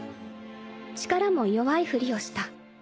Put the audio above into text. ［力も弱いふりをした］